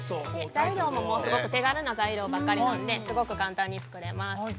◆材料も、すごく手軽な材料ばっかりなんですごく簡単に作れます。